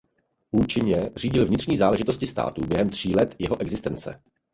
Účinně řídil vnitřní záležitosti státu během tří let jeho existence.